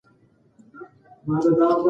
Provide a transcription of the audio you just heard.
په کلي کې مېرمنې په ګډه ډوډۍ پخوي.